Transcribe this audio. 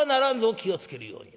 気を付けるように。